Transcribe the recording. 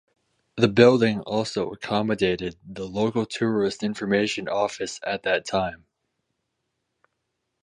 The building also accommodated the local tourist information office at that time.